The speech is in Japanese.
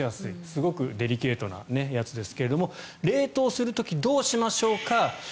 すごくデリケートなやつですが冷凍する時、どうしましょうか。